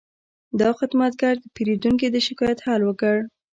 دا خدمتګر د پیرودونکي د شکایت حل وکړ.